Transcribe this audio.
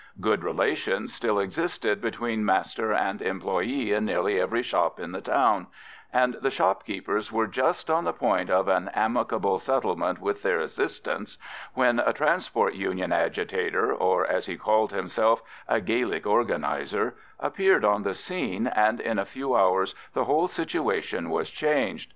Good relations still existed between master and employee in nearly every shop in the town, and the shopkeepers were just on the point of an amicable settlement with their assistants when a Transport Union agitator, or, as he called himself, a Gaelic organiser, appeared on the scene, and in a few hours the whole situation was changed.